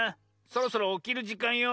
そろそろおきるじかんよ。